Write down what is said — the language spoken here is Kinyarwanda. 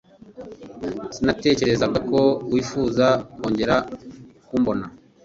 Sinatekerezaga ko wifuza kongera kumbona